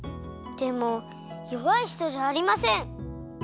でもよわいひとじゃありません！